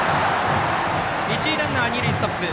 一塁ランナーは二塁ストップ。